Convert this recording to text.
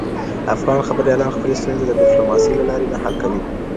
افغان خبریالان خپلي ستونزي د ډیپلوماسۍ له لاري نه حل کوي.